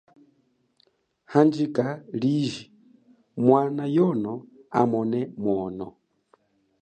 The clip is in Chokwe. Handjika liji mwana yono amone mwono.